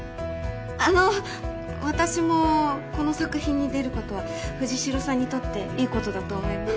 あの私もこの作品に出ることは藤代さんにとっていいことだと思います。